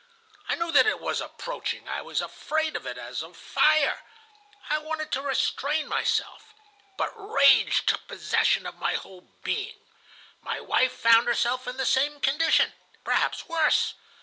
I knew that it was approaching; I was afraid of it as of fire; I wanted to restrain myself. But rage took possession of my whole being. My wife found herself in the same condition, perhaps worse.